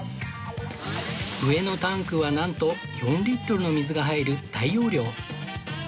上のタンクはなんと４リットルの水が入る大容量